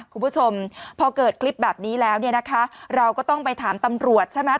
คุณผู้ชมพอเกิดคลิปแบบนี้แล้วเนี่ยนะคะเราก็ต้องไปถามตำรวจใช่ไหม